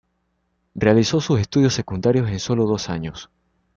Realizó sus estudios secundarios en solo dos años.